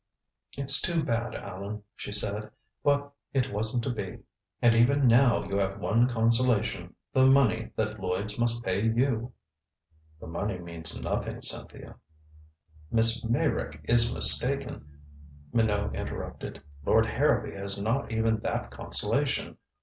"It's too bad, Allan," she said. "But it wasn't to be. And, even now, you have one consolation the money that Lloyds must pay you." "The money means nothing, Cynthia " "Miss Meyrick is mistaken," Minot interrupted. "Lord Harrowby has not even that consolation.